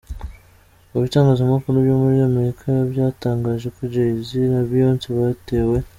mu bitangazamakuru byo muri Amerika byatangaje ko Jay-Z na Beyonce batewe.